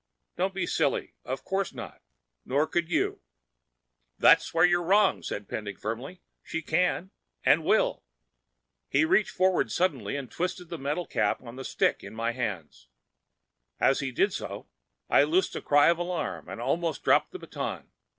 "Don't be silly! Of course not. Nor could you." "There's where you're wrong," said Pending firmly. "She can—and will." He reached forward suddenly and twisted the metal cap on the stick in my hands. As he did so, I loosed a cry of alarm and almost dropped the baton.